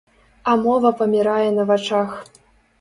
А мова памірае на вачах.